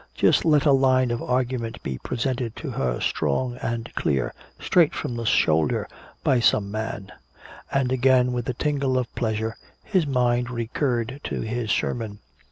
Just let a line of argument be presented to her strong and clear straight from the shoulder by some man " And again with a tingle of pleasure his mind recurred to his sermon.